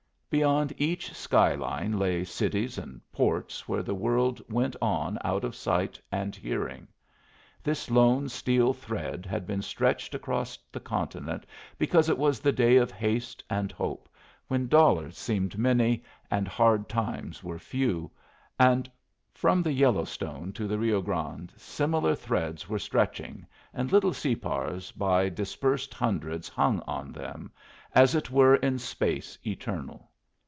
Beyond each sky line lay cities and ports where the world went on out of sight and hearing. This lone steel thread had been stretched across the continent because it was the day of haste and hope, when dollars seemed many and hard times were few; and from the Yellowstone to the Rio Grande similar threads were stretching, and little Separs by dispersed hundreds hung on them, as it were in space eternal.